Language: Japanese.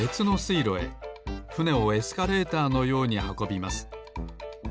いろへふねをエスカレーターのようにはこびます。